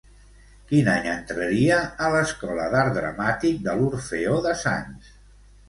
Quin any entraria a l'Escola d'Art Dramàtic de l'Orfeó de Sants?